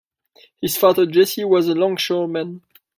His father Jessie was a longshoreman.